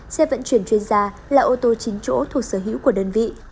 xe vận chuyển chuyên gia là ô tô chín chỗ thuộc sở hữu của đơn vị